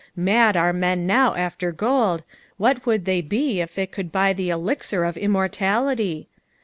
Mad are men now after gold, what would they be if it could buy the elixir of immortnlity